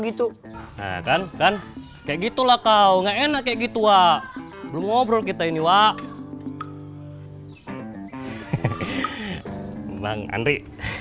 gitu kan kan kayak gitu lah kau enak kayak gitu ah ngobrol kita ini wak bang andri